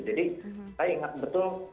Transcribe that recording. jadi saya ingat betul